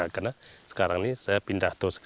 karena sekarang ini saya pindah ke sini